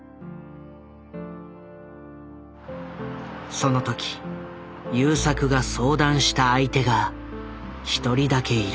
その時優作が相談した相手が１人だけいる。